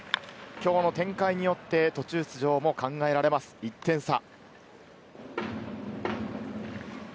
今日の展開によって途中出場も考えられます、１点差。